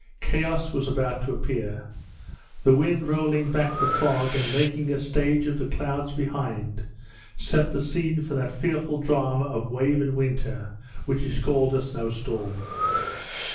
Chaos was about to appear. The wind rolling back the fog, and making a stage of the clouds behind, set the scene for that fearful drama of wave and winter which is called a Snowstorm.